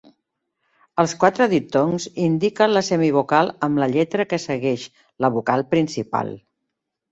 Els quatre diftongs indiquen la semivocal amb la lletra que segueix la vocal principal.